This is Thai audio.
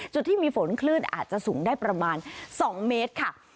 จุดที่มีฝนคลื่นอาจจะสูงได้ประมาณ๒เมตรค่ะ